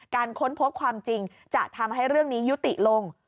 ค้นพบความจริงจะทำให้เรื่องนี้ยุติลง